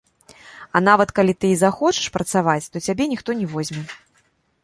А нават калі ты і захочаш працаваць, то цябе ніхто не возьме.